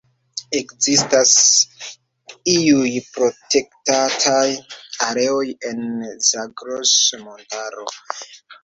Ekzistas iuj protektataj areoj en Zagros-Montaro.